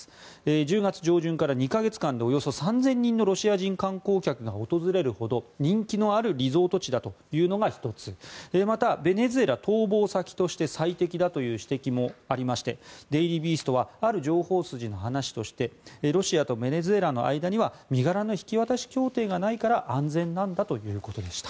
１０月上旬から２か月間でおよそ３０００人のロシア人観光客が訪れるほど人気のあるリゾート地だというのが１つまた、ベネズエラ逃亡先として最適だという指摘もありましてデイリー・ビーストはある情報筋の話としてロシアとベネズエラの間には身柄の引き渡し協定がないから安全なんだということでした。